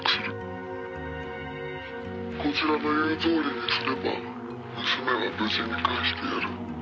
「こちらの言うとおりにすれば娘は無事に返してやる」